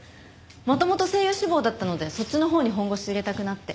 元々声優志望だったのでそっちのほうに本腰入れたくなって。